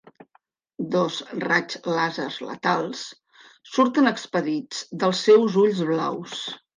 Dos raig làsers letals surten expedits dels seus ulls blaus.